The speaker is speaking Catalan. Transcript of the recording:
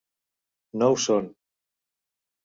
No ho són.